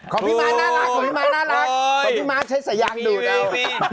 ขอพี่มาน่ารักฉันใช้สายรางดูดด้วย